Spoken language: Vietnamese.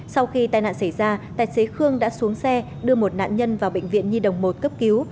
sau khi tai nạn xảy ra tài xế khương đã xuống xe đưa một nạn nhân vào bệnh viện nhi đồng một cấp cứu